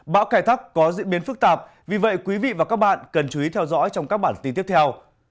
bão cải thắc có diễn biến phức tạp vì vậy quý vị và các bạn cần chú ý theo dõi trong các bản tin tiếp theo